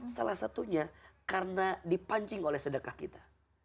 salah satunya karena dipancing oleh sedekah kita